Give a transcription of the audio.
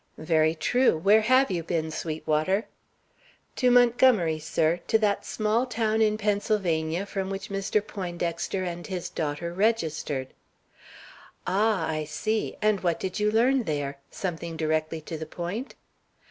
"Very true. Where have you been, Sweetwater?" "To Montgomery, sir, to that small town in Pennsylvania from which Mr. Poindexter and his daughter registered." "Ah, I see! And what did you learn there? Something directly to the point?"